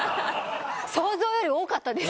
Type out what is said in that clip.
想像より多かったです。